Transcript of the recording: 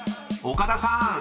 ［岡田さん